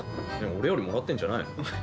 俺よりもらってんじゃないの？